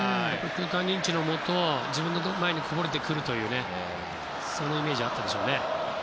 空間認知のもと自分のところにこぼれてくるというイメージがあったんでしょうね。